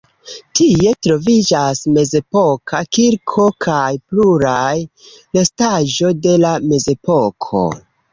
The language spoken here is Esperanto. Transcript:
Tie troviĝas mezepoka kirko kaj pluraj restaĵo de la mezepoko.